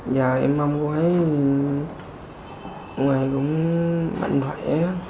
giờ em mong quay ngoài cũng mạnh thoẻ